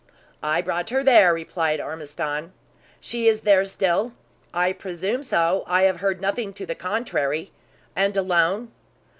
"I brought her there," replied Ormiston. "She is there still?" "I presume so. I have heard nothing to the contrary." "And alone?"